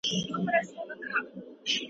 لاملونه باید له منځه ولاړ شي.